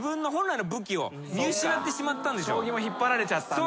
将棋も引っ張られちゃったんだ。